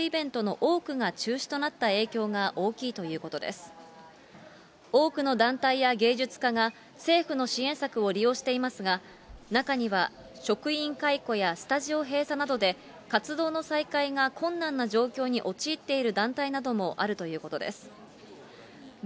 多くの団体や芸術家が政府の支援策を利用していますが、中には職員解雇やスタジオ閉鎖などで、活動の再開が困難な状況に陥っている団体などもあるということです。